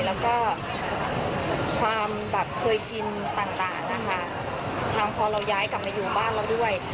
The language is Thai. แล้วก็ความแบบเคยชินต่างนะคะทางพอเราย้ายกลับมาอยู่บ้านเราด้วย